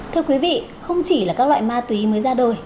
thưa quý vị không chỉ là các loại ma túy mới ra đời